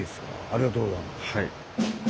ありがとうございます。